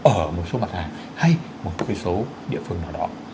ở một số mặt hàng hay một số địa phương nào đó